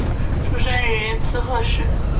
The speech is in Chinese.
出身于滋贺县。